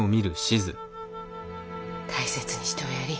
大切にしておやり。